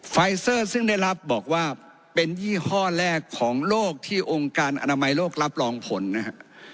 ไฟเซอร์ซึ่งได้รับบอกว่าเป็นยี่ห้อแรกของโลกที่องค์การอนามัยโลกรับรองผลนะฮะ